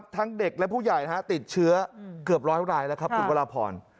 ทั้งเด็กและผู้ใหญ่ติดเชื้อเกือบ๑๐๐รายแล้วครับ